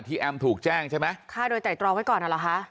ที่แอ้มถูกแจ้งใช่ไหมค่าโดยใจจอมไว้ก่อนเหรอฮะ